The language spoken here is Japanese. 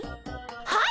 はい！